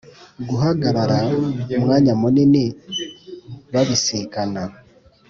guhagarara umwanya munini babisikana